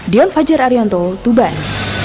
dion fajar arianto tuban